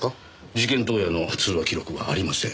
事件当夜の通話記録はありません。